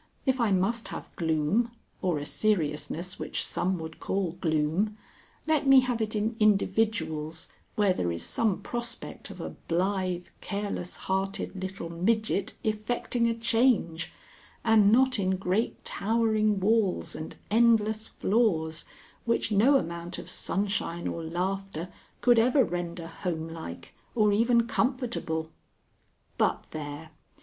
If I must have gloom, or a seriousness which some would call gloom, let me have it in individuals where there is some prospect of a blithe, careless hearted little midget effecting a change, and not in great towering walls and endless floors which no amount of sunshine or laughter could ever render homelike, or even comfortable. But there!